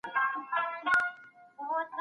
د داستاني ادبیاتو څېړنه ترسره کېږي.